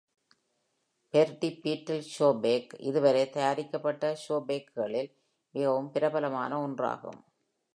'Bertie பீட்டில் ஷோபேக்' இதுவரை தயாரிக்கப்பட்ட ஷோபேக்குகளில் மிகவும் பிரபலமான ஒன்றாகும்.